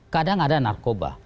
kadang ada narkoba